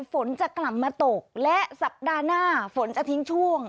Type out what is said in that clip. ฝนจะกลับมาตกและสัปดาห์หน้าฝนจะทิ้งช่วง